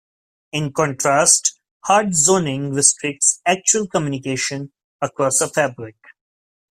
In contrast, hard zoning restricts actual communication across a fabric.